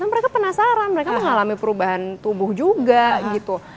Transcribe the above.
mereka penasaran mereka mengalami perubahan tubuh juga gitu